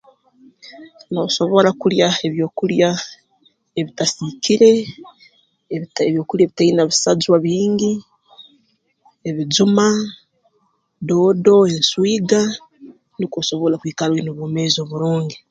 Noosobora kulya ebyokulya ebitasiikire ebitai ebyokulya ebitaine bisajwa bingi ebijuma doodo enswiga nukwo osobole kwikara oine obwomeezi oburungi